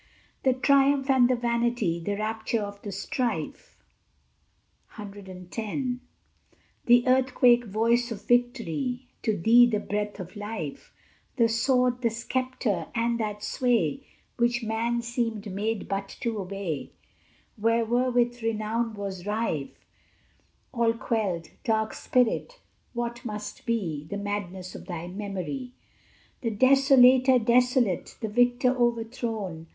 The triumph and the vanity, The rapture of the strife The earthquake voice of Victory, To thee the breath of life The sword, the sceptre, and that sway Which man seemed made but to obey, Wherewith renown was rife All quelled! Dark Spirit! what must be The madness of thy memory! The Desolator desolate! The victor overthrown!